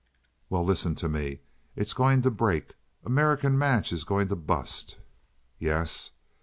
"Well, listen to me. It's going to break. American Match is going to bust." "Yes."